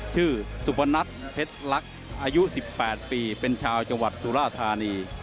ชื่อสุฟนัสเพ็ดลักษณ์อายุสิบแปดปีเป็นชาวจังหวัดสุราธารณี